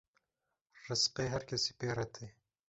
Rizqê her kesî pê re tê